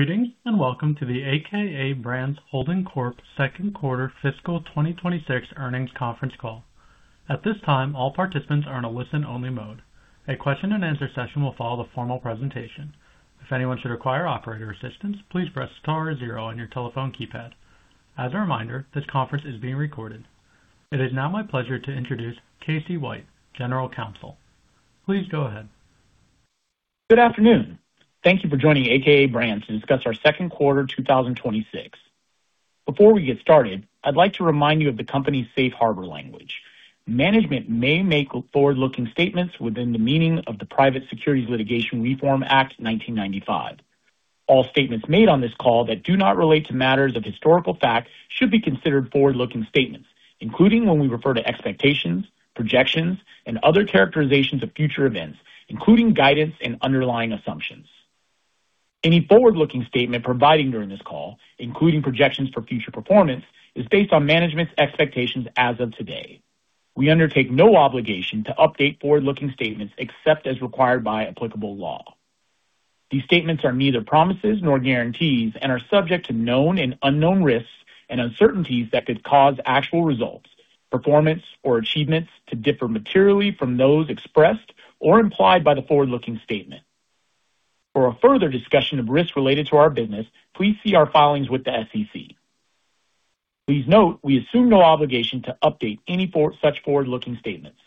Greetings, welcome to the a.k.a. Brands Holding Corp second quarter fiscal 2026 earnings conference call. At this time, all participants are in a listen-only mode. A question and answer session will follow the formal presentation. If anyone should require operator assistance, please press star zero on your telephone keypad. As a reminder, this conference is being recorded. It is now my pleasure to introduce Casey White, General Counsel. Please go ahead. Good afternoon. Thank you for joining a.k.a. Brands to discuss our second quarter 2026. Before we get started, I'd like to remind you of the company's Safe Harbor language. Management may make forward-looking statements within the meaning of the Private Securities Litigation Reform Act of 1995. All statements made on this call that do not relate to matters of historical fact should be considered forward-looking statements, including when we refer to expectations, projections, and other characterizations of future events, including guidance and underlying assumptions. Any forward-looking statement providing during this call, including projections for future performance, is based on management's expectations as of today. We undertake no obligation to update forward-looking statements except as required by applicable law. These statements are neither promises nor guarantees and are subject to known and unknown risks and uncertainties that could cause actual results, performance, or achievements to differ materially from those expressed or implied by the forward-looking statement. For a further discussion of risks related to our business, please see our filings with the SEC. Please note we assume no obligation to update any such forward-looking statements.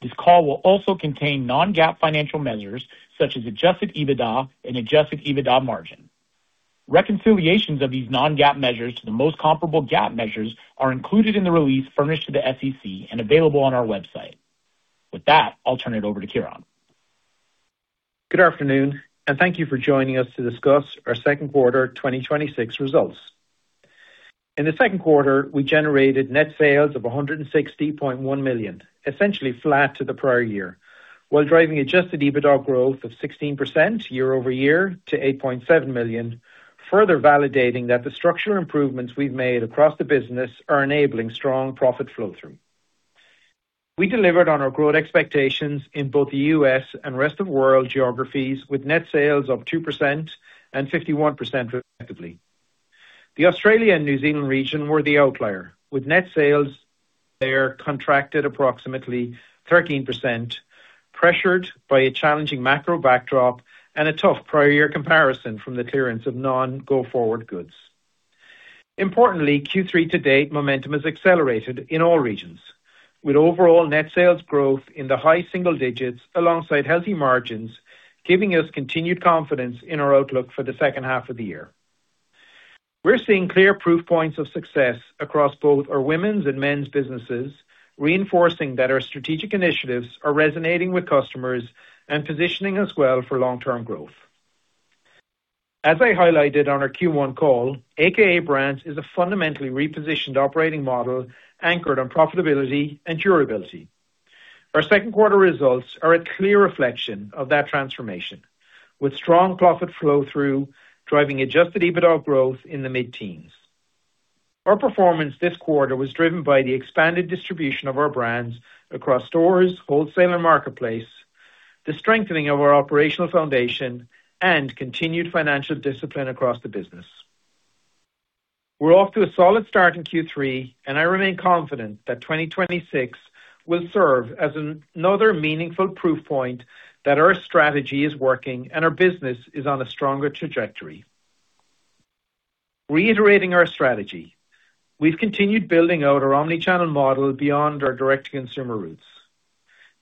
This call will also contain non-GAAP financial measures such as Adjusted EBITDA and Adjusted EBITDA margin. Reconciliations of these non-GAAP measures to the most comparable GAAP measures are included in the release furnished to the SEC and available on our website. With that, I'll turn it over to Ciaran. Good afternoon, thank you for joining us to discuss our second quarter 2026 results. In the second quarter, we generated net sales of $160.1 million, essentially flat to the prior year, while driving Adjusted EBITDA growth of 16% year-over-year to $8.7 million, further validating that the structural improvements we've made across the business are enabling strong profit flow through. We delivered on our growth expectations in both the U.S. and rest of world geographies with net sales of 2% and 51% respectively. The Australia and New Zealand region were the outlier, with net sales there contracted approximately 13%, pressured by a challenging macro backdrop and a tough prior year comparison from the clearance of non-go-forward goods. Importantly, Q3 to date momentum has accelerated in all regions, with overall net sales growth in the high single digits alongside healthy margins, giving us continued confidence in our outlook for the second half of the year. We're seeing clear proof points of success across both our women's and men's businesses, reinforcing that our strategic initiatives are resonating with customers and positioning us well for long-term growth. As I highlighted on our Q1 call, a.k.a. Brands is a fundamentally repositioned operating model anchored on profitability and durability. Our second quarter results are a clear reflection of that transformation, with strong profit flow through driving Adjusted EBITDA growth in the mid-teens. Our performance this quarter was driven by the expanded distribution of our brands across stores, wholesale, and marketplace, the strengthening of our operational foundation, and continued financial discipline across the business. We're off to a solid start in Q3. I remain confident that 2026 will serve as another meaningful proof point that our strategy is working and our business is on a stronger trajectory. Reiterating our strategy, we've continued building out our omni-channel model beyond our direct-to-consumer roots.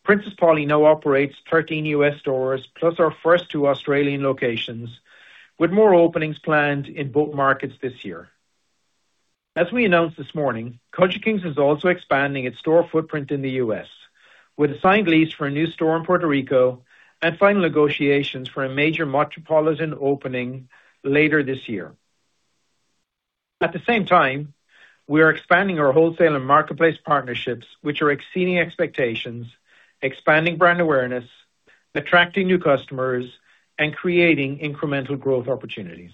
Princess Polly now operates 13 U.S. stores plus our first two Australian locations, with more openings planned in both markets this year. As we announced this morning, Culture Kings is also expanding its store footprint in the U.S. with a signed lease for a new store in Puerto Rico and final negotiations for a major metropolitan opening later this year. At the same time, we are expanding our wholesale and marketplace partnerships, which are exceeding expectations, expanding brand awareness, attracting new customers, and creating incremental growth opportunities.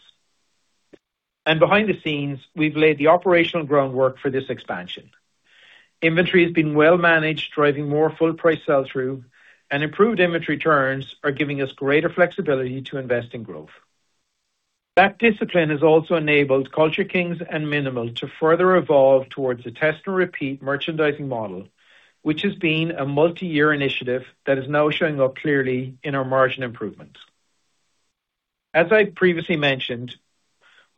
Behind the scenes, we've laid the operational groundwork for this expansion. Inventory has been well managed, driving more full price sell-through and improved inventory turns are giving us greater flexibility to invest in growth. That discipline has also enabled Culture Kings and mnml to further evolve towards a test and repeat merchandising model, which has been a multi-year initiative that is now showing up clearly in our margin improvements. As I previously mentioned,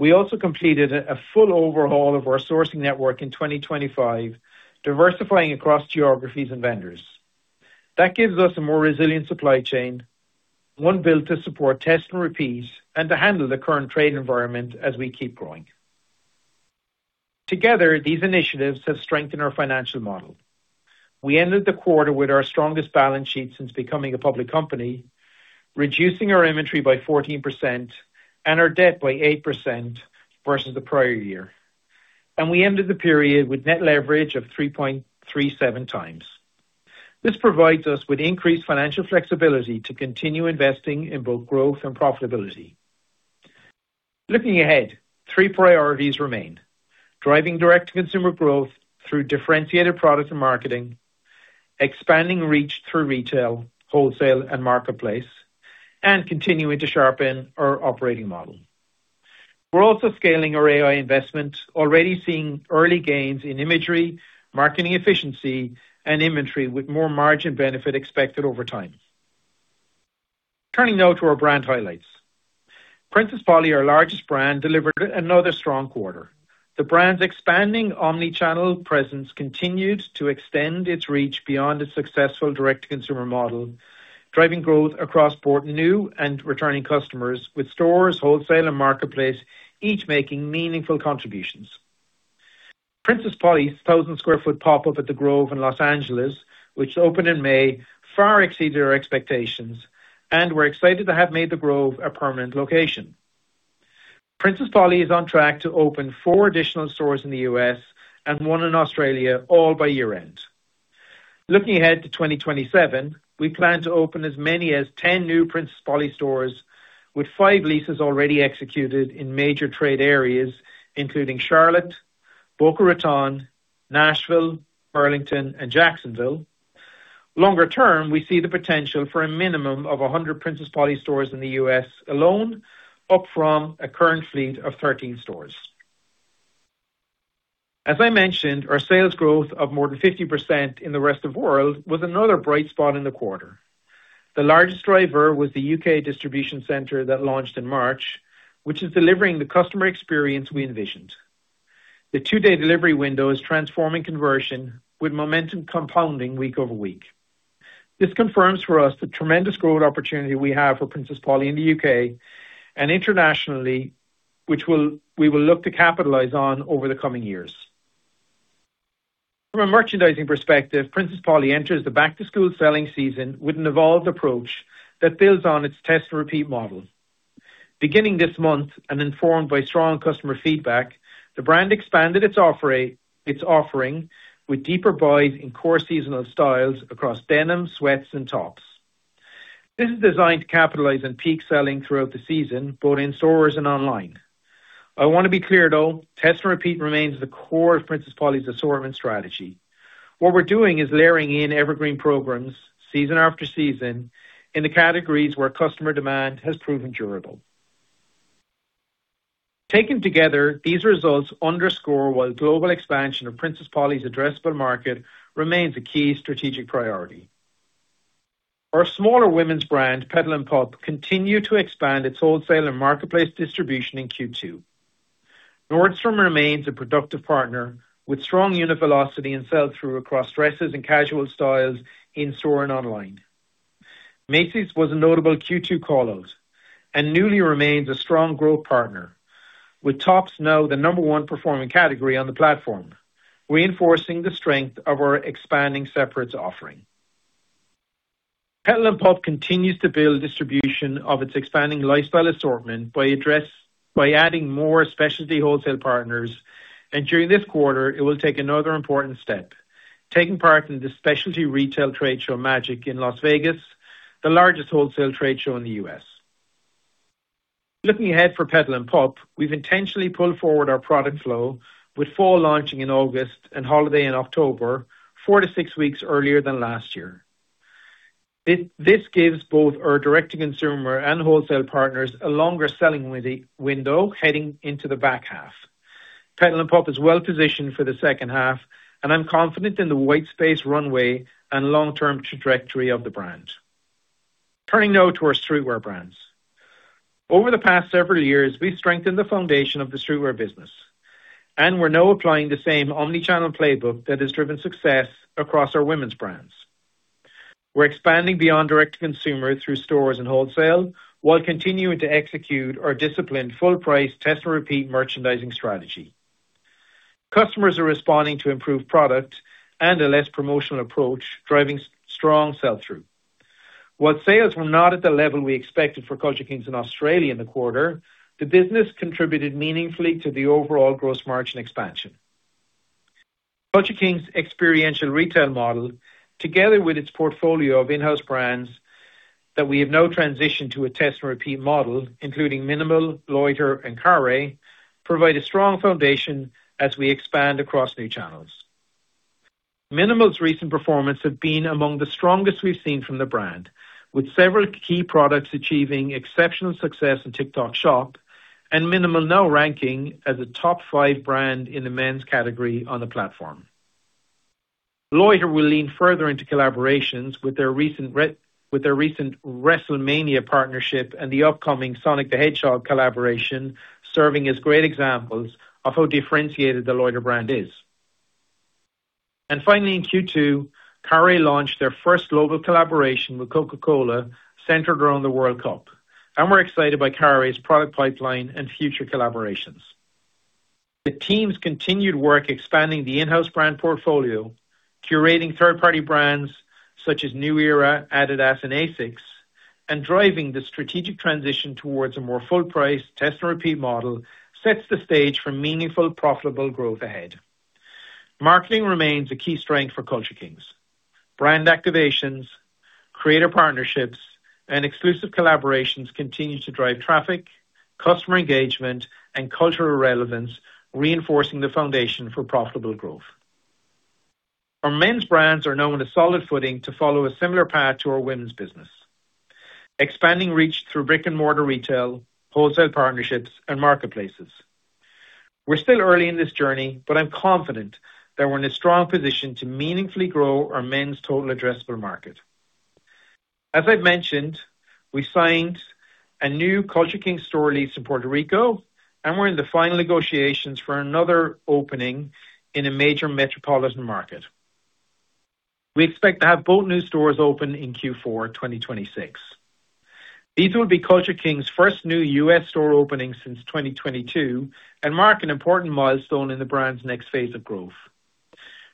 we also completed a full overhaul of our sourcing network in 2025, diversifying across geographies and vendors. That gives us a more resilient supply chain, one built to support test and repeats, and to handle the current trade environment as we keep growing. Together, these initiatives have strengthened our financial model. We ended the quarter with our strongest balance sheet since becoming a public company, reducing our inventory by 14% and our debt by 8% versus the prior year. We ended the period with net leverage of 3.37 times. This provides us with increased financial flexibility to continue investing in both growth and profitability. Looking ahead, three priorities remain. Driving direct-to-consumer growth through differentiated products and marketing. Expanding reach through retail, wholesale, and marketplace, and continuing to sharpen our operating model. We're also scaling our AI investment, already seeing early gains in imagery, marketing efficiency, and inventory with more margin benefit expected over time. Turning now to our brand highlights. Princess Polly, our largest brand, delivered another strong quarter. The brand's expanding omni-channel presence continued to extend its reach beyond its successful direct-to-consumer model, driving growth across board, new and returning customers with stores, wholesale, and marketplace, each making meaningful contributions. Princess Polly's 1,000 square foot pop-up at The Grove in Los Angeles, which opened in May, far exceeded our expectations, and we're excited to have made The Grove a permanent location. Princess Polly is on track to open four additional stores in the U.S. and one in Australia all by year-end. Looking ahead to 2027, we plan to open as many as 10 new Princess Polly stores with five leases already executed in major trade areas, including Charlotte, Boca Raton, Nashville, Burlington, and Jacksonville. Longer term, we see the potential for a minimum of 100 Princess Polly stores in the U.S. alone, up from a current fleet of 13 stores. As I mentioned, our sales growth of more than 50% in the rest of world was another bright spot in the quarter. The largest driver was the U.K. distribution center that launched in March, which is delivering the customer experience we envisioned. The two-day delivery window is transforming conversion with momentum compounding week over week. This confirms for us the tremendous growth opportunity we have for Princess Polly in the U.K. and internationally, which we will look to capitalize on over the coming years. From a merchandising perspective, Princess Polly enters the back-to-school selling season with an evolved approach that builds on its test and repeat model. Beginning this month, and informed by strong customer feedback, the brand expanded its offering with deeper buys in core seasonal styles across denim, sweats, and tops. This is designed to capitalize on peak selling throughout the season, both in stores and online. I want to be clear though, test and repeat remains the core of Princess Polly's assortment strategy. What we're doing is layering in evergreen programs season after season in the categories where customer demand has proven durable. Taken together, these results underscore why global expansion of Princess Polly's addressable market remains a key strategic priority. Our smaller women's brand, Petal & Pup, continued to expand its wholesale and marketplace distribution in Q2. Nordstrom remains a productive partner with strong unit velocity and sell-through across dresses and casual styles in-store and online. Macy's was a notable Q2 call-out and newly remains a strong growth partner, with tops now the number 1 performing category on the platform, reinforcing the strength of our expanding separates offering. Petal & Pup continues to build distribution of its expanding lifestyle assortment by adding more specialty wholesale partners, and during this quarter, it will take another important step, taking part in the specialty retail trade show MAGIC in Las Vegas, the largest wholesale trade show in the U.S. Looking ahead for Petal & Pup, we've intentionally pulled forward our product flow with fall launching in August and holiday in October, four to six weeks earlier than last year. This gives both our direct-to-consumer and wholesale partners a longer selling window heading into the back half. Petal & Pup is well positioned for the second half, and I'm confident in the white space runway and long-term trajectory of the brand. Turning now to our streetwear brands. Over the past several years, we've strengthened the foundation of the streetwear business. We're now applying the same omni-channel playbook that has driven success across our women's brands. We're expanding beyond direct-to-consumer through stores and wholesale while continuing to execute our disciplined full price test and repeat merchandising strategy. Customers are responding to improved product and a less promotional approach, driving strong sell-through. While sales were not at the level we expected for Culture Kings in Australia in the quarter, the business contributed meaningfully to the overall gross margin expansion. Culture Kings' experiential retail model, together with its portfolio of in-house brands that we have now transitioned to a test and repeat model, including mnml, Loiter, and Carré, provide a strong foundation as we expand across new channels. mnml's recent performance have been among the strongest we've seen from the brand, with several key products achieving exceptional success in TikTok Shop. mnml now ranking as a top 5 brand in the men's category on the platform. Loiter will lean further into collaborations with their recent WrestleMania partnership and the upcoming Sonic the Hedgehog collaboration, serving as great examples of how differentiated the Loiter brand is. Finally, in Q2, Carré launched their first global collaboration with Coca-Cola centered around the World Cup. We're excited by Carré's product pipeline and future collaborations. The team's continued work expanding the in-house brand portfolio, curating third-party brands such as New Era, Adidas, and ASICS, and driving the strategic transition towards a more full price test and repeat model sets the stage for meaningful, profitable growth ahead. Marketing remains a key strength for Culture Kings. Brand activations, creative partnerships and exclusive collaborations continue to drive traffic, customer engagement, and cultural relevance, reinforcing the foundation for profitable growth. Our men's brands are now in a solid footing to follow a similar path to our women's business, expanding reach through brick and mortar retail, wholesale partnerships, and marketplaces. We're still early in this journey, but I'm confident that we're in a strong position to meaningfully grow our men's total addressable market. As I've mentioned, we signed a new Culture Kings store lease in Puerto Rico, and we're in the final negotiations for another opening in a major metropolitan market. We expect to have both new stores open in Q4 2026. These will be Culture Kings' first new U.S. store openings since 2022 and mark an important milestone in the brand's next phase of growth.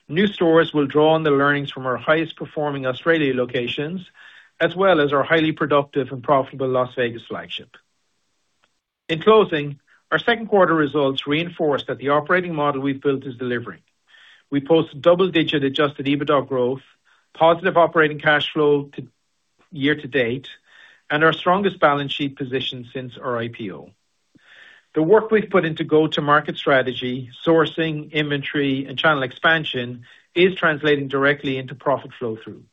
New stores will draw on the learnings from our highest-performing Australia locations, as well as our highly productive and profitable Las Vegas flagship. In closing, our second quarter results reinforce that the operating model we've built is delivering. We posted double-digit Adjusted EBITDA growth, positive operating cash flow year to date, and our strongest balance sheet position since our IPO. The work we've put into go-to-market strategy, sourcing, inventory, and channel expansion is translating directly into profit flow through.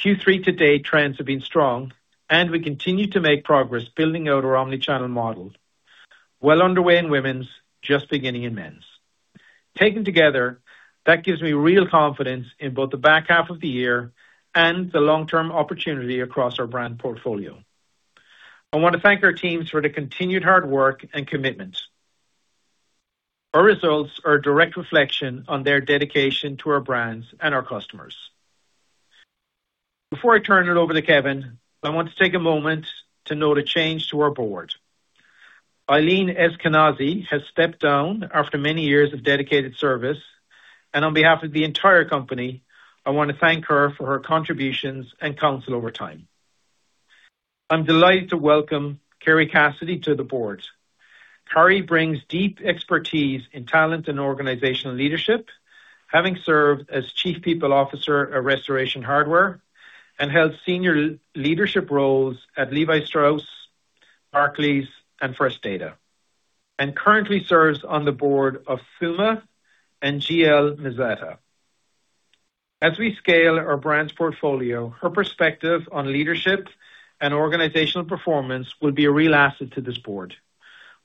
Q3 to date trends have been strong. We continue to make progress building out our omni-channel model, well underway in women's, just beginning in men's. Taken together, that gives me real confidence in both the back half of the year and the long-term opportunity across our brand portfolio. I want to thank our teams for their continued hard work and commitment. Our results are a direct reflection on their dedication to our brands and our customers. Before I turn it over to Kevin, I want to take a moment to note a change to our board. Ilene Eskenazi has stepped down after many years of dedicated service, and on behalf of the entire company, I want to thank her for her contributions and counsel over time. I'm delighted to welcome Carrie Cassidy to the board. Carrie brings deep expertise in talent and organizational leadership, having served as Chief People Officer at Restoration Hardware and held senior leadership roles at Levi Strauss, Barclays, and First Data, and currently serves on the board of FilmLA and G.L. Mezzetta. As we scale our brands portfolio, her perspective on leadership and organizational performance will be a real asset to this board.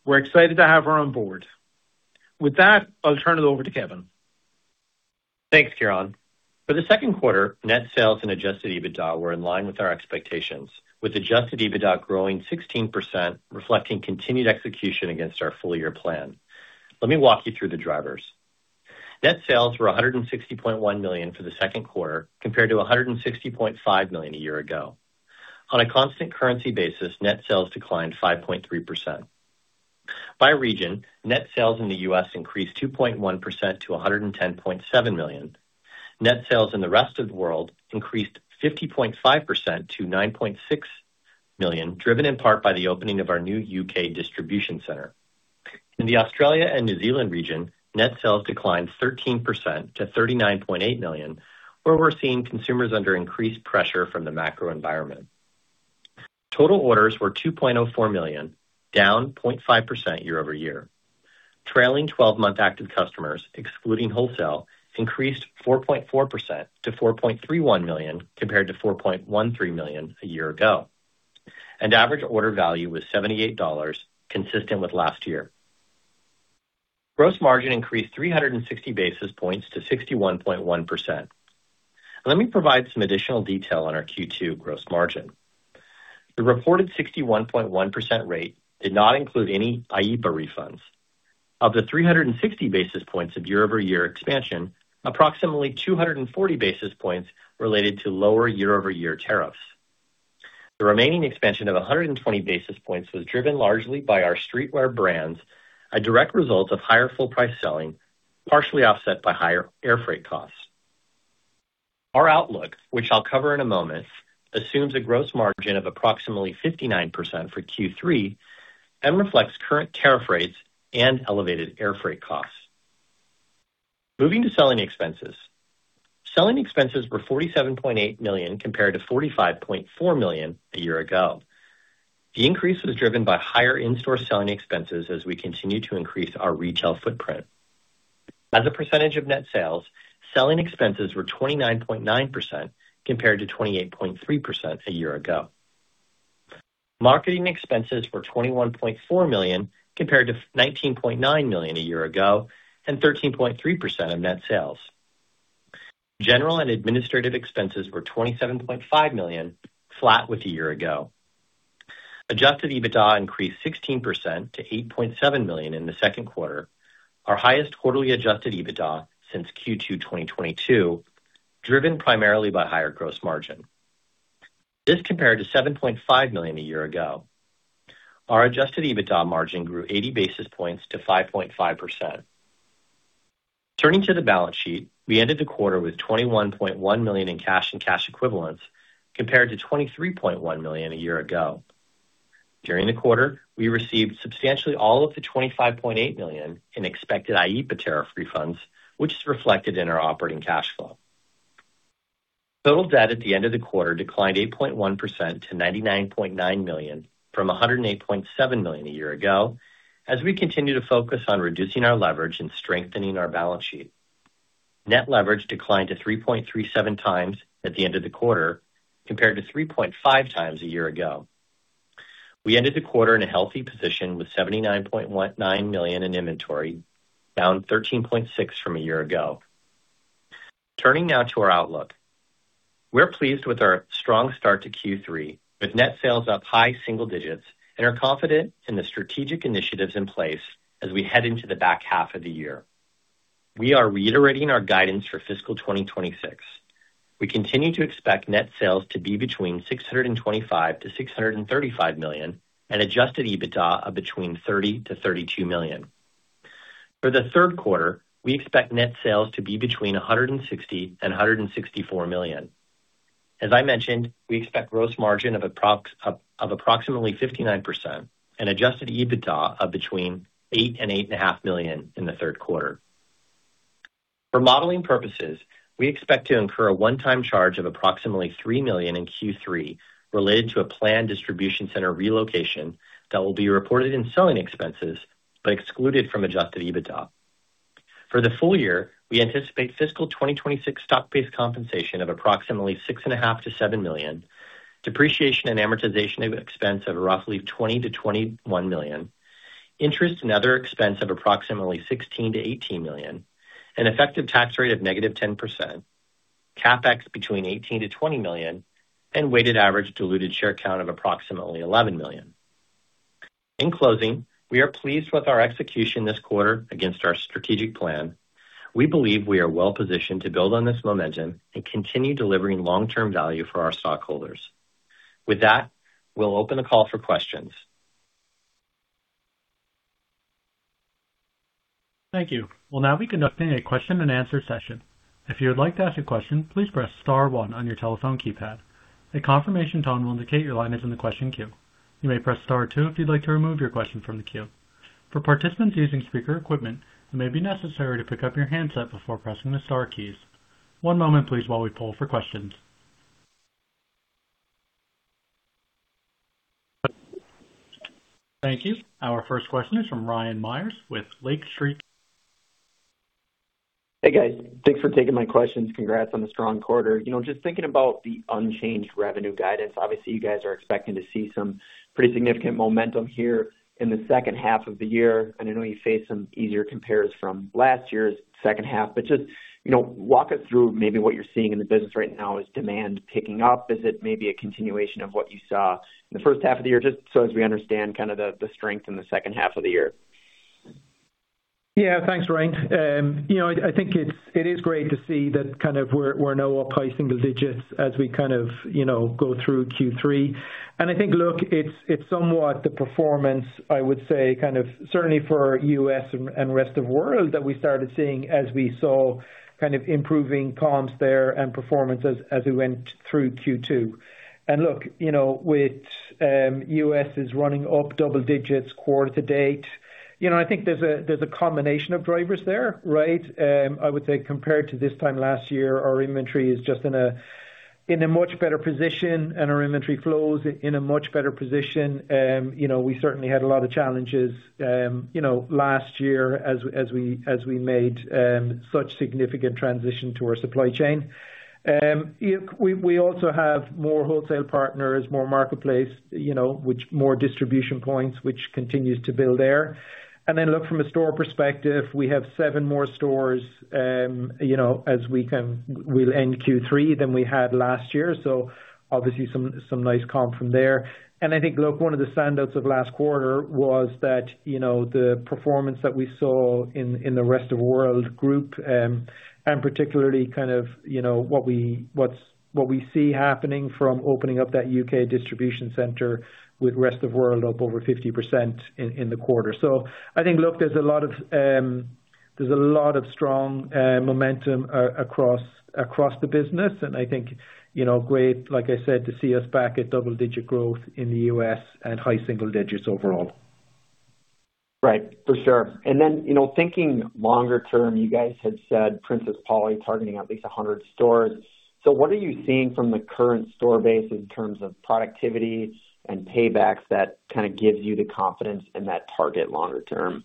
We're excited to have her on board. With that, I'll turn it over to Kevin. Thanks, Ciaran. For the second quarter, net sales and Adjusted EBITDA were in line with our expectations, with Adjusted EBITDA growing 16%, reflecting continued execution against our full-year plan. Let me walk you through the drivers. Net sales were $160.1 million for the second quarter, compared to $160.5 million a year ago. On a constant currency basis, net sales declined 5.3%. By region, net sales in the U.S. increased 2.1% to $110.7 million. Net sales in the rest of the world increased 50.5% to $9.6 million, driven in part by the opening of our new U.K. distribution center. In the Australia and New Zealand region, net sales declined 13% to $39.8 million, where we're seeing consumers under increased pressure from the macro environment. Total orders were $2.04 million, down 0.5% year-over-year. Trailing 12-month active customers, excluding wholesale, increased 4.4% to $4.31 million, compared to $4.13 million a year ago. Average order value was $78, consistent with last year. Gross margin increased 360 basis points to 61.1%. Let me provide some additional detail on our Q2 gross margin. The reported 61.1% rate did not include any IEEPA refunds. Of the 360 basis points of year-over-year expansion, approximately 240 basis points related to lower year-over-year tariffs. The remaining expansion of 120 basis points was driven largely by our streetwear brands, a direct result of higher full price selling, partially offset by higher air freight costs. Our outlook, which I'll cover in a moment, assumes a gross margin of approximately 59% for Q3 and reflects current tariff rates and elevated air freight costs. Moving to selling expenses. Selling expenses were $47.8 million compared to $45.4 million a year ago. The increase was driven by higher in-store selling expenses as we continue to increase our retail footprint. As a percentage of net sales, selling expenses were 29.9% compared to 28.3% a year ago. Marketing expenses were $21.4 million compared to $19.9 million a year ago and 13.3% of net sales. General and administrative expenses were $27.5 million, flat with a year ago. Adjusted EBITDA increased 16% to $8.7 million in the second quarter, our highest quarterly Adjusted EBITDA since Q2 2022, driven primarily by higher gross margin. This compared to $7.5 million a year ago. Our Adjusted EBITDA margin grew 80 basis points to 5.5%. Turning to the balance sheet, we ended the quarter with $21.1 million in cash and cash equivalents compared to $23.1 million a year ago. During the quarter, we received substantially all of the $25.8 million in expected IEEPA tariff refunds, which is reflected in our operating cash flow. Total debt at the end of the quarter declined 8.1% to $99.9 million from $108.7 million a year ago. As we continue to focus on reducing our leverage and strengthening our balance sheet. Net leverage declined to 3.37 times at the end of the quarter, compared to 3.5 times a year ago. We ended the quarter in a healthy position with $79.9 million in inventory, down 13.6% from a year ago. Turning now to our outlook. We're pleased with our strong start to Q3, with net sales up high single digits and are confident in the strategic initiatives in place as we head into the back half of the year. We are reiterating our guidance for fiscal 2026. We continue to expect net sales to be between $625 million to $635 million and Adjusted EBITDA of between $30 million to $32 million. For the third quarter, we expect net sales to be between $160 million and $164 million. As I mentioned, we expect gross margin of approximately 59% and Adjusted EBITDA of between $8 million and $8.5 million in the third quarter. For modeling purposes, we expect to incur a one-time charge of approximately $3 million in Q3 related to a planned distribution center relocation that will be reported in selling expenses, but excluded from Adjusted EBITDA. For the full year, we anticipate fiscal 2026 stock-based compensation of approximately $6.5 million to $7 million, depreciation and amortization expense of roughly $20 million to $21 million, interest and other expense of approximately $16 million to $18 million, an effective tax rate of negative 10%, CapEx between $18 million to $20 million, and weighted average diluted share count of approximately 11 million. In closing, we are pleased with our execution this quarter against our strategic plan. We believe we are well-positioned to build on this momentum and continue delivering long-term value for our stockholders. With that, we'll open the call for questions. Thank you. We'll now be conducting a question and answer session. If you would like to ask a question, please press star one on your telephone keypad. A confirmation tone will indicate your line is in the question queue. You may press star two if you'd like to remove your question from the queue. For participants using speaker equipment, it may be necessary to pick up your handset before pressing the star keys. One moment, please, while we poll for questions. Thank you. Our first question is from Ryan Meyers with Lake Street. Hey, guys. Thanks for taking my questions. Congrats on the strong quarter. Just thinking about the unchanged revenue guidance. Obviously, you guys are expecting to see some pretty significant momentum here in the second half of the year. I know you face some easier compares from last year's second half, but just walk us through maybe what you're seeing in the business right now. Is demand picking up? Is it maybe a continuation of what you saw in the first half of the year? Just as we understand the strength in the second half of the year. Thanks, Ryan. It is great to see that we're now up high single digits as we go through Q3. It's somewhat the performance, certainly for U.S. and rest of world that we started seeing as we saw improving comps there and performance as we went through Q2. With U.S. is running up double digits quarter to date. There's a combination of drivers there, right? Compared to this time last year, our inventory is just in a much better position and our inventory flow is in a much better position. We certainly had a lot of challenges last year as we made such significant transition to our supply chain. We also have more wholesale partners, more marketplace, more distribution points, which continues to build there. From a store perspective, we have seven more stores as we'll end Q3 than we had last year. Obviously some nice comp from there. One of the standouts of last quarter was that the performance that we saw in the rest of world group, particularly what we see happening from opening up that U.K. distribution center with rest of world up over 50% in the quarter. There's a lot of strong momentum across the business, great, like I said, to see us back at double-digit growth in the U.S. and high single digits overall. Right. For sure. Thinking longer term, you guys had said Princess Polly targeting at least 100 stores. What are you seeing from the current store base in terms of productivity and paybacks that kind of gives you the confidence in that target longer term?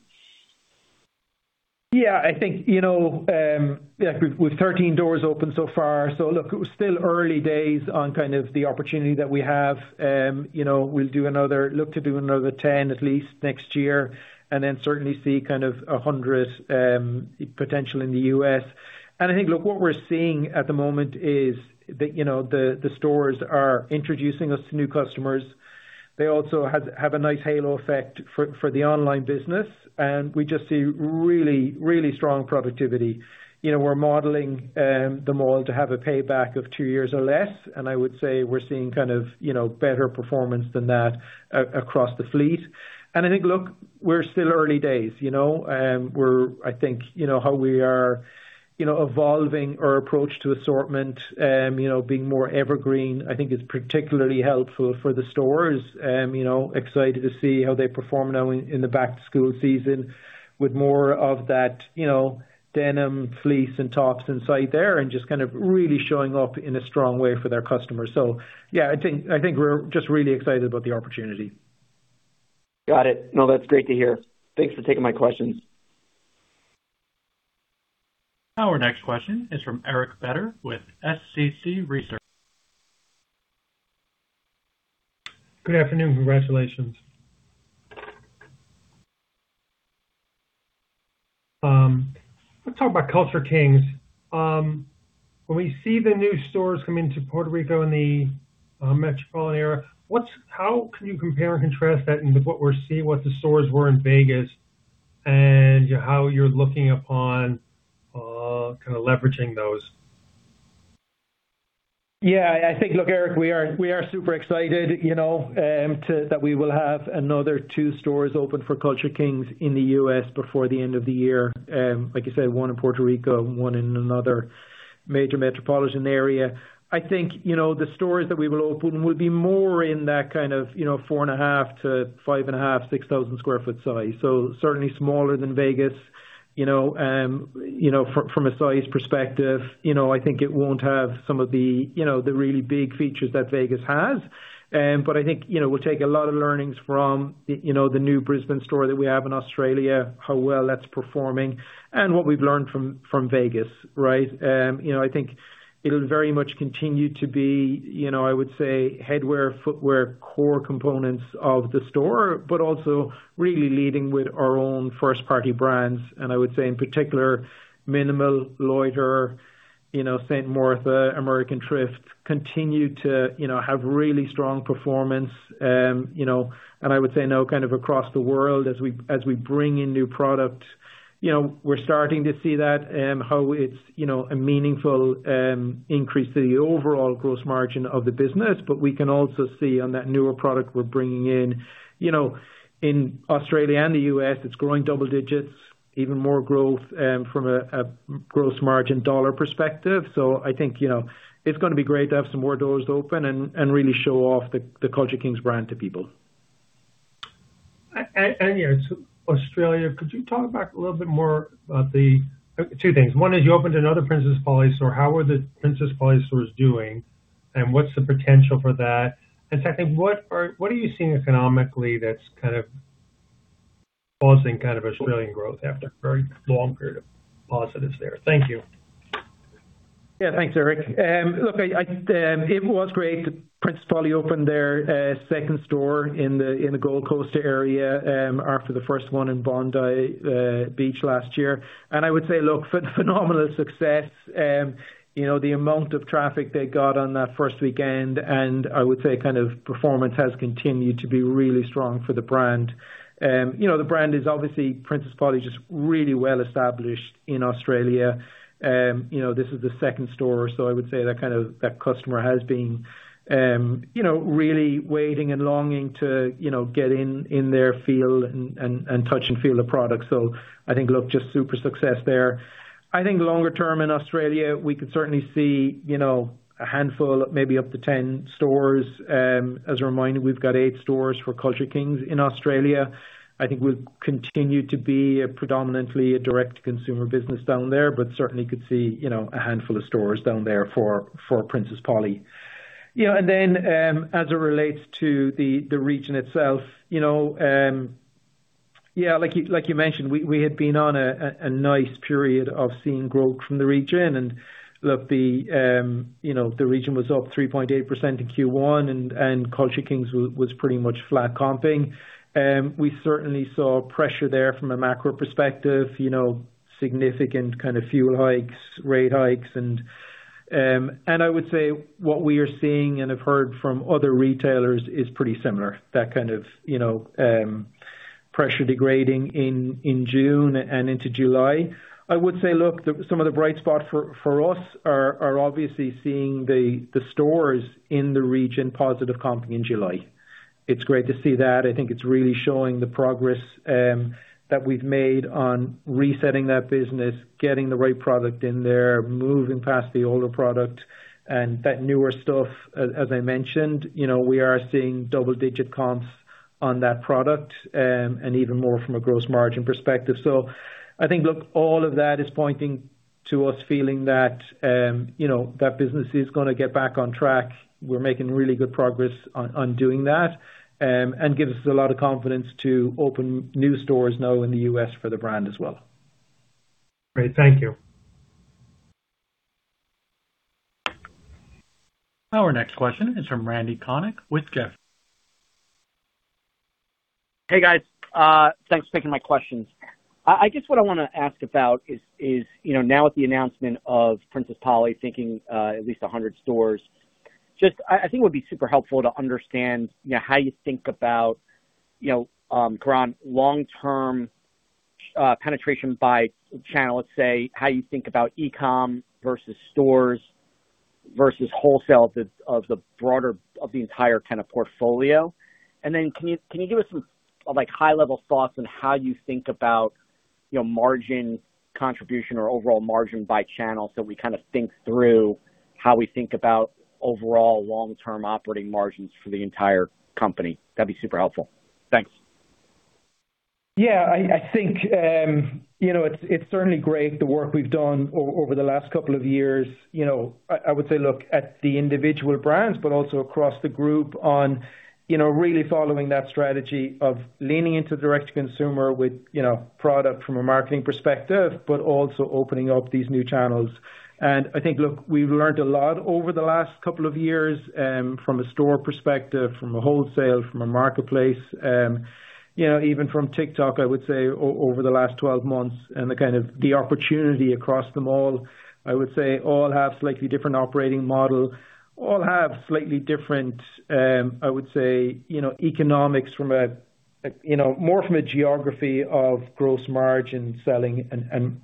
Yeah, I think with 13 doors open so far, it was still early days on kind of the opportunity that we have. We'll look to do another 10 at least next year certainly see kind of 100 potential in the U.S. I think, look, what we're seeing at the moment is the stores are introducing us to new customers. They also have a nice halo effect for the online business, we just see really strong productivity. We're modeling them all to have a payback of two years or less, I would say we're seeing kind of better performance than that across the fleet. I think, look, we're still early days. I think how we are evolving our approach to assortment, being more evergreen, I think is particularly helpful for the stores. Excited to see how they perform now in the back-to-school season with more of that denim, fleece, and tops inside there just kind of really showing up in a strong way for their customers. Yeah, I think we're just really excited about the opportunity. Got it. No, that's great to hear. Thanks for taking my questions. Our next question is from Eric Vetter with SCC Research. Good afternoon. Congratulations. Let's talk about Culture Kings. When we see the new stores come into Puerto Rico and the metropolitan area, how can you compare and contrast that into what we're seeing, what the stores were in Vegas, and how you're looking upon kind of leveraging those? I think, look, Eric, we are super excited that we will have another two stores open for Culture Kings in the U.S. before the end of the year. Like you said, one in Puerto Rico, one in another major metropolitan area. I think the stores that we will open will be more in that kind of four and a half to five and a half, 6,000 sq ft size. Certainly smaller than Vegas. From a size perspective, I think it won't have some of the really big features that Vegas has. I think we'll take a lot of learnings from the new Brisbane store that we have in Australia, how well that's performing, and what we've learned from Vegas, right? I think it'll very much continue to be, I would say, headwear, footwear, core components of the store, but also really leading with our own first-party brands, and I would say in particular, mnml, Loiter, Saint Morta, American Thrift, continue to have really strong performance. I would say now kind of across the world as we bring in new product. We're starting to see that how it's a meaningful increase to the overall gross margin of the business. We can also see on that newer product we're bringing in. In Australia and the U.S., it's growing double digits, even more growth from a gross margin dollar perspective. I think it's going to be great to have some more doors open and really show off the Culture Kings brand to people. Yeah. Australia, could you talk a little bit more about two things. One is you opened another Princess Polly store. How are the Princess Polly stores doing, and what's the potential for that? Second, what are you seeing economically that's kind of causing kind of Australian growth after a very long period of positives there? Thank you. Yeah. Thanks, Eric. Look, it was great that Princess Polly opened their second store in the Gold Coast area, after the first one in Bondi Beach last year. I would say, look, phenomenal success. The amount of traffic they got on that first weekend, and I would say kind of performance has continued to be really strong for the brand. The brand is obviously, Princess Polly, just really well established in Australia. This is the second store, so I would say that customer has been really waiting and longing to get in there, feel and touch the product. I think, look, just super success there. I think longer term in Australia, we could certainly see a handful of maybe up to 10 stores. As a reminder, we've got eight stores for Culture Kings in Australia. I think we'll continue to be predominantly a direct-to-consumer business down there, but certainly could see a handful of stores down there for Princess Polly. Then, as it relates to the region itself. Yeah, like you mentioned, we had been on a nice period of seeing growth from the region, and look, the region was up 3.8% in Q1, and Culture Kings was pretty much flat comping. We certainly saw pressure there from a macro perspective, significant kind of fuel hikes, rate hikes, and I would say what we are seeing and have heard from other retailers is pretty similar. That kind of pressure degrading in June and into July. I would say, look, some of the bright spots for us are obviously seeing the stores in the region positive comping in July. It's great to see that. I think it's really showing the progress that we've made on resetting that business, getting the right product in there, moving past the older product, and that newer stuff, as I mentioned, we are seeing double-digit comps on that product, and even more from a gross margin perspective. I think, look, all of that is pointing to us feeling that that business is gonna get back on track. We're making really good progress on doing that. Gives us a lot of confidence to open new stores now in the U.S. for the brand as well. Great. Thank you. Our next question is from Randy Konik with Jefferies. Hey, guys. Thanks for taking my questions. I guess what I want to ask about is, now with the announcement of Princess Polly thinking at least 100 stores, I think it would be super helpful to understand how you think about long-term penetration by channel, let's say, how you think about e-com versus stores, versus wholesale of the broader, of the entire kind of portfolio. Then can you give us some high-level thoughts on how you think about margin contribution or overall margin by channel so we kind of think through how we think about overall long-term operating margins for the entire company? That'd be super helpful. Thanks. Yeah, I think it's certainly great, the work we've done over the last couple of years. I would say, look at the individual brands, but also across the group on really following that strategy of leaning into direct-to-consumer with product from a marketing perspective, but also opening up these new channels. I think, look, we've learned a lot over the last couple of years, from a store perspective, from a wholesale, from a marketplace, even from TikTok, I would say over the last 12 months, and the kind of the opportunity across them all. I would say all have slightly different operating model. All have slightly different, I would say, economics more from a geography of gross margin selling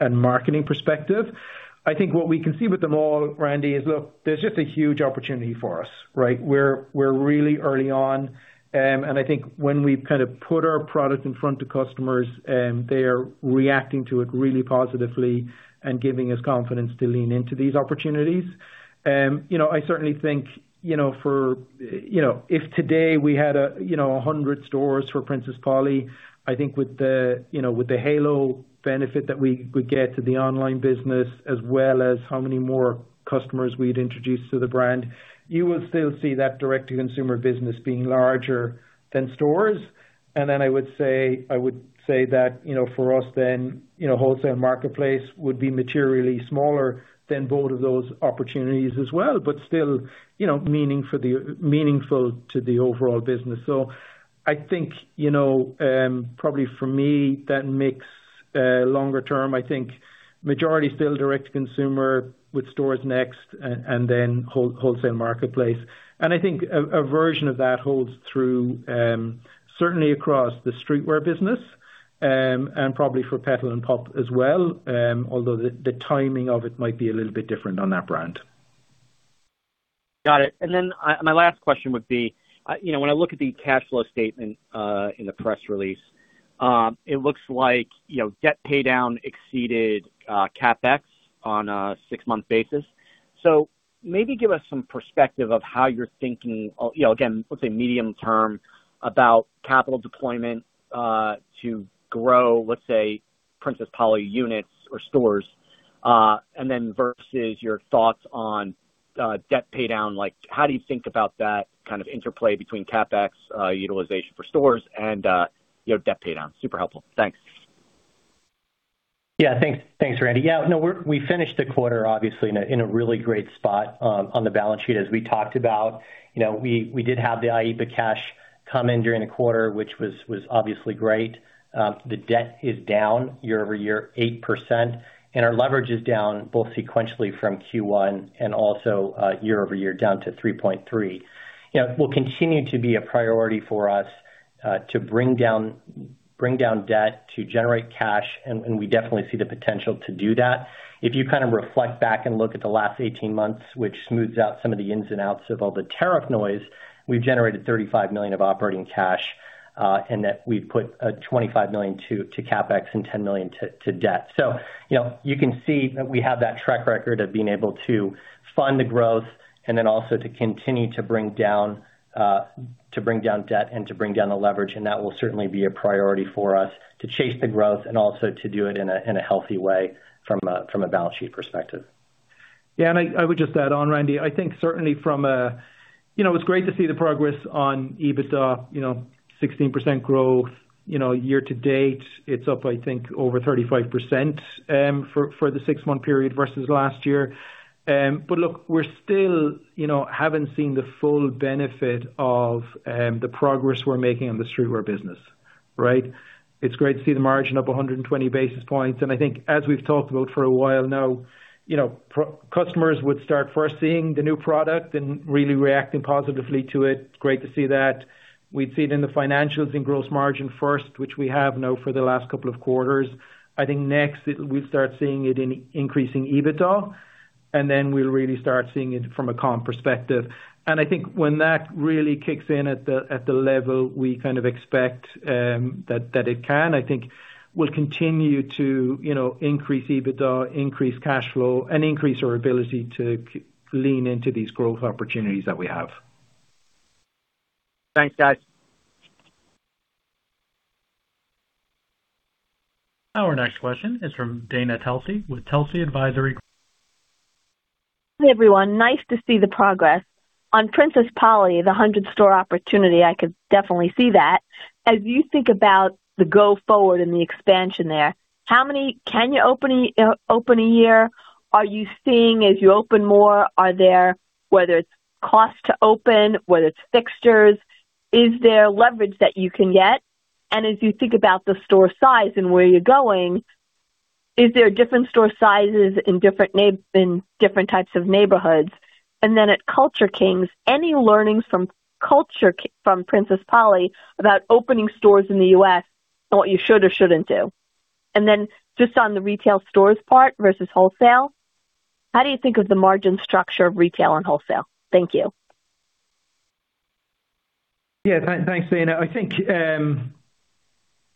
and marketing perspective. I think what we can see with them all, Randy, is look, there's just a huge opportunity for us, right? We're really early on. I think when we've kind of put our product in front of customers, they are reacting to it really positively and giving us confidence to lean into these opportunities. I certainly think if today we had 100 stores for Princess Polly, I think with the halo benefit that we get to the online business as well as how many more customers we'd introduce to the brand, you will still see that direct-to-consumer business being larger than stores. I would say that for us then, wholesale marketplace would be materially smaller than both of those opportunities as well. Still meaningful to the overall business. I think, probably for me, that mix longer term, I think majority still direct-to-consumer with stores next and then wholesale marketplace. I think a version of that holds through, certainly across the streetwear business, and probably for Petal & Pup as well, although the timing of it might be a little bit different on that brand. Got it. My last question would be, when I look at the cash flow statement, in the press release, it looks like debt paydown exceeded CapEx on a six-month basis. Maybe give us some perspective of how you're thinking, again, let's say medium term about capital deployment, to grow, let's say, Princess Polly units or stores, and then versus your thoughts on debt paydown. How do you think about that kind of interplay between CapEx utilization for stores and debt paydown? Super helpful. Thanks. Thanks, Randy. We finished the quarter, obviously, in a really great spot on the balance sheet, as we talked about. We did have the IEEPA cash come in during the quarter, which was obviously great. The debt is down year-over-year 8%, and our leverage is down both sequentially from Q1 and also year-over-year down to 3.3. It will continue to be a priority for us to bring down debt, to generate cash, and we definitely see the potential to do that. If you kind of reflect back and look at the last 18 months, which smooths out some of the ins and outs of all the tariff noise, we've generated $35 million of operating cash, and that we've put $25 million to CapEx and $10 million to debt. You can see that we have that track record of being able to fund the growth and then also to continue to bring down debt and to bring down the leverage, and that will certainly be a priority for us to chase the growth and also to do it in a healthy way from a balance sheet perspective. I would just add on, Randy, I think certainly it's great to see the progress on EBITDA, 16% growth year to date. It's up, I think, over 35% for the six-month period versus last year. Look, we still haven't seen the full benefit of the progress we're making on the streetwear business, right? It's great to see the margin up 120 basis points, and I think as we've talked about for a while now, customers would start first seeing the new product and really reacting positively to it. Great to see that. We'd see it in the financials and gross margin first, which we have now for the last couple of quarters. I think next, we'll start seeing it in increasing EBITDA, then we'll really start seeing it from a comp perspective. I think when that really kicks in at the level we kind of expect that it can, I think we'll continue to increase EBITDA, increase cash flow, and increase our ability to lean into these growth opportunities that we have. Thanks, guys. Our next question is from Dana Telsey with Telsey Advisory. Hey, everyone. Nice to see the progress. On Princess Polly, the 100-store opportunity, I could definitely see that. As you think about the go forward and the expansion there, how many can you open a year? Are you seeing as you open more, are there, whether it's cost to open, whether it's fixtures, is there leverage that you can get? As you think about the store size and where you're going, is there different store sizes in different types of neighborhoods? Then at Culture Kings, any learnings from Princess Polly about opening stores in the U.S. on what you should or shouldn't do? Then just on the retail stores part versus wholesale, how do you think of the margin structure of retail and wholesale? Thank you. Yeah. Thanks, Dana.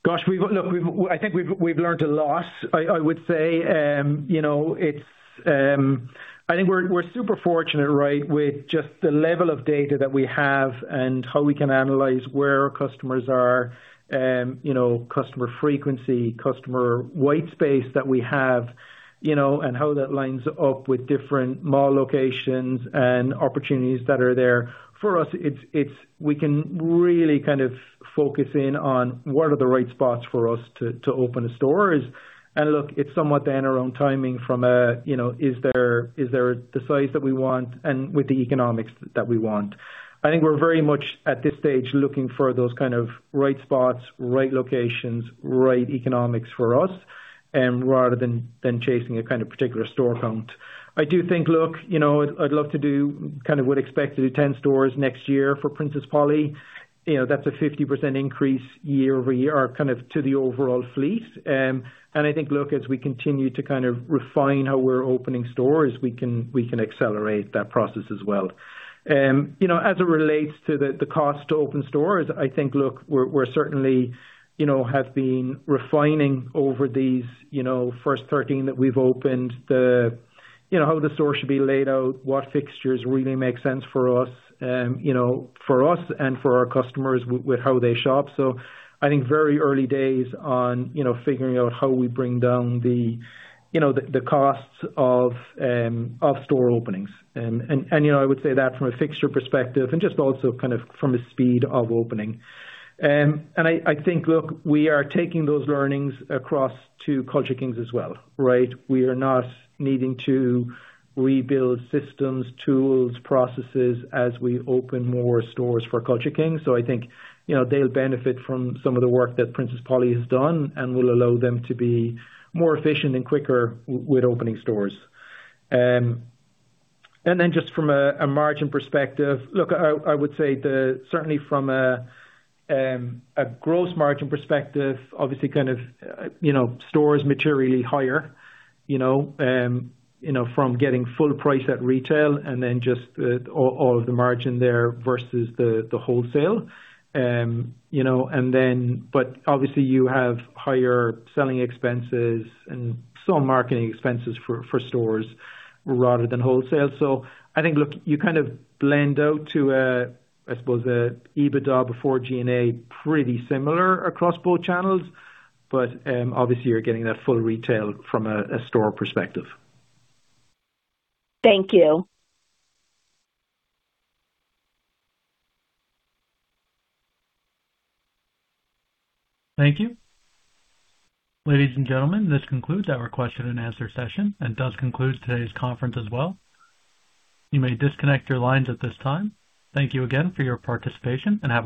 Gosh, look, I think we've learned a lot, I would say. I think we're super fortunate, right? With just the level of data that we have and how we can analyze where our customers are, customer frequency, customer white space that we have, and how that lines up with different mall locations and opportunities that are there. For us, we can really kind of focus in on what are the right spots for us to open stores. Look, it's somewhat then around timing from a, is there the size that we want and with the economics that we want? I think we're very much at this stage looking for those kind of right spots, right locations, right economics for us, rather than chasing a kind of particular store count. I do think, look, I'd love to do kind of would expect to do 10 stores next year for Princess Polly. That's a 50% increase year-over-year or kind of to the overall fleet. I think, look, as we continue to kind of refine how we're opening stores, we can accelerate that process as well. As it relates to the cost to open stores, I think, look, we're certainly have been refining over these first 13 that we've opened, how the store should be laid out, what fixtures really make sense for us, and for our customers with how they shop. I think very early days on figuring out how we bring down the costs of store openings. I would say that from a fixture perspective and just also kind of from a speed of opening. I think, look, we are taking those learnings across to Culture Kings as well, right? We are not needing to rebuild systems, tools, processes as we open more stores for Culture Kings. I think they'll benefit from some of the work that Princess Polly has done and will allow them to be more efficient and quicker with opening stores. Just from a margin perspective, look, I would say certainly from a gross margin perspective, obviously kind of stores materially higher from getting full price at retail and then just all of the margin there versus the wholesale. Obviously you have higher selling expenses and some marketing expenses for stores rather than wholesale. I think, look, you kind of blend out to a, I suppose, a EBITDA before G&A pretty similar across both channels. Obviously you're getting that full retail from a store perspective. Thank you. Thank you. Ladies and gentlemen, this concludes our question and answer session and does conclude today's conference as well. You may disconnect your lines at this time. Thank you again for your participation, and have a great day